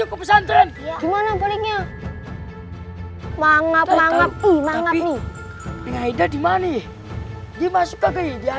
ke pesantren gimana baliknya hai manggap manggap imang ini aida dimana nih dia masuk ke gaya